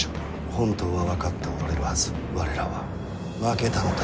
本当は分かっておられるはず我らは負けたのだと。